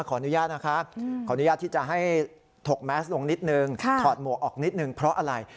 ขออนุญาตนะคะขออนุญาตที่จะให้ถกแมสลงนิดนึงถอดหมวกออกนิดนึงเพราะอะไร